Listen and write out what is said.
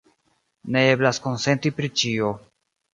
Ne eblas konsenti pri ĉio.